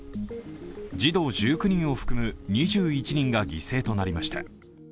児童１９人を含む２１人が犠牲となりました。